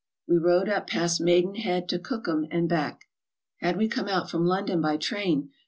We rowed up past Maidenhead to Co okham and back. Had we come out from London by train.